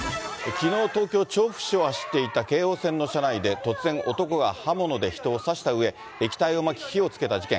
きのう、東京・調布市を走っていた京王線の車内で突然、男が刃物で人を刺したうえ、液体をまき、火をつけた事件。